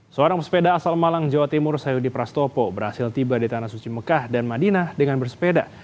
seorang pesepeda asal malang jawa timur sayudi prastopo berhasil tiba di tanah suci mekah dan madinah dengan bersepeda